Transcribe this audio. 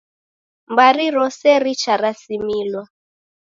Mbari rose richarasimilwa